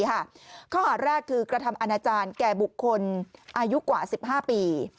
ข้อหาแรกคือกระทำอนาจารย์แก่บุคคลอายุกว่า๑๕ปี